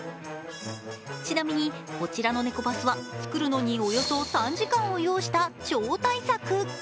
ちなみに、こちらのねこバスは作るのにおよそ３時間を要した超大作。